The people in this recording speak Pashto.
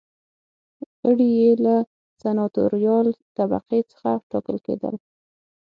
غړي یې له سناتوریال طبقې څخه ټاکل کېدل.